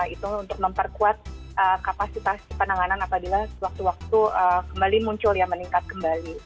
itu untuk memperkuat kapasitas penanganan apabila waktu waktu kembali muncul ya meningkat kembali